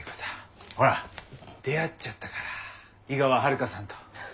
ほら出会っちゃったから井川遥さんと。